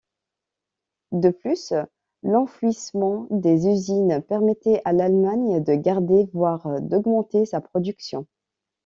De plus l'enfouissement des usines permettait à l'Allemagne de garder voire d'augmenter sa production.